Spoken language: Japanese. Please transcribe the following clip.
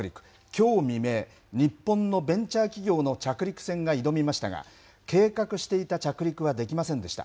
きょう未明、日本のベンチャー企業の着陸船が挑みましたが、計画していた着陸はできませんでした。